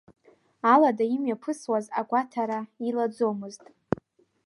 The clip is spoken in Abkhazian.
Алада имҩаԥысуаз агәаҭара илаӡомызт.